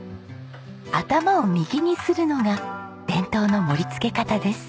頭を右にするのが伝統の盛り付け方です。